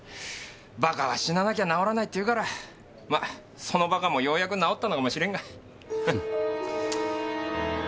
馬鹿は死ななきゃ直らないって言うからまあその馬鹿もようやく直ったのかもしれんが。